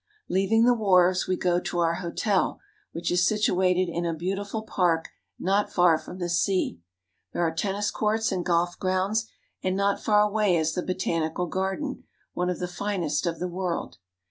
Leaving the wharves, we go to our hotel, which is situated in a beautiful park not far from the sea. There are tennis courts and golf grounds, and not far away is the botanical garden, one of the finest of the world.